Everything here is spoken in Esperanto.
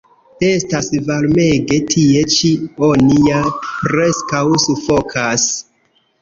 Estas varmege tie ĉi; oni ja preskaŭ sufokas.